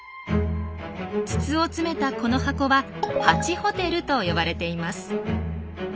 筒を詰めたこの箱は「ハチホテル」と呼ばれています。